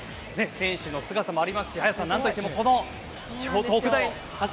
選手の姿もありますし綾さん、なんと言ってもこの特大の柱。